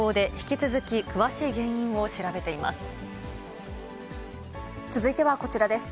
続いてはこちらです。